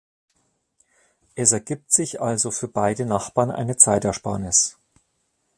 Es ergibt sich also für beide Nachbarn eine Zeitersparnis.